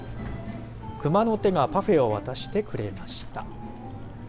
くまの手がパフェを渡してくれました。